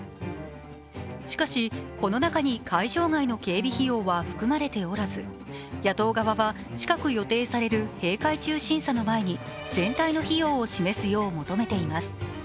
しかし、この中に会場外の警備費用は含まれておらず、野党側は近く予定される閉会中審査の前に全体の費用を示すよう求めています。